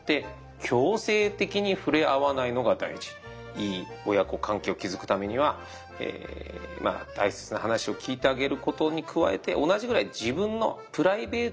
「いい親子関係を築くためには大切な話を聞いてあげることに加えて同じぐらい自分のプライベートを持たせてあげること」。